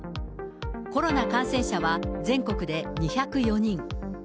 コロナ感染者は全国で２０４人。